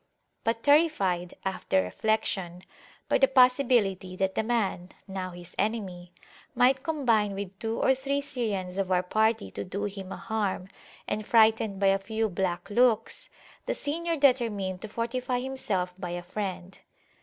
But terrified, after reflection, by the possibility that the man, now his enemy, might combine with two or three Syrians of our party to do him a harm, and frightened by a few black looks, the senior determined to fortify himself by a friend.